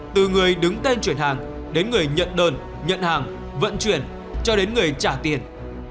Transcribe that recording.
từ người đứng tên chuyển hàng đến người nhận đơn nhận hàng vận chuyển cho đến người trả tiền